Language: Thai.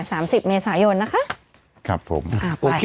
สามสิบเมษายนนะคะครับผมอ่าไป